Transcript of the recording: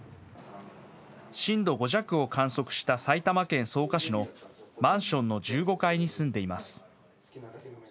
震度５弱を観測した埼玉県草加市のマンションの１５階に住んでいます。